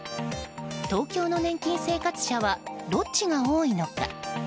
東京の年金生活者はどっちが多いのか。